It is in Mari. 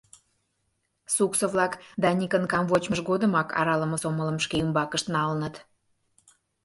Суксо-влак Даникын камвочмыж годымак аралыме сомылым шке ӱмбакышт налыныт.